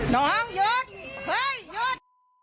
น้องหยุดเฮ้ยหยุด